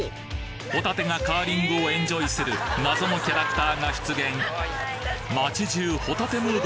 ホタテがカーリングをエンジョイする謎のキャラクターが出現街中ホタテムード